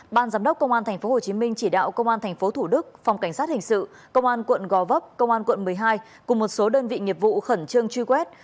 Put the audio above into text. ban giám đốc công an tp hcm chỉ đạo công an tp thủ đức phòng cảnh sát hình sự công an quận gò vấp công an quận một mươi hai cùng một số đơn vị nghiệp vụ khẩn trương truy quét